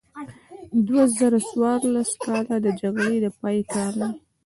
دوه زره څوارلس کال د جګړې د پای کال دی.